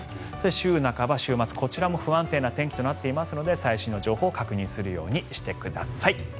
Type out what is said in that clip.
週半ば、週末こちらも不安定な天気となっていますので最新の情報を確認するようにしてください。